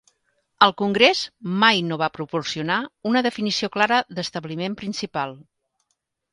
El Congrés mai no va proporcionar una definició clara d'establiment principal.